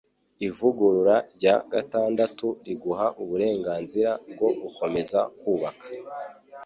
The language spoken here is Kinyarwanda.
Ivugurura rya gatandatu riguha uburenganzira bwo gukomeza kubaka